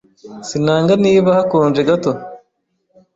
Sinanga niba hakonje gato.